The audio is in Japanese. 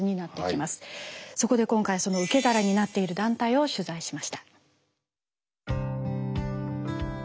そこで今回その受け皿になっている団体を取材しました。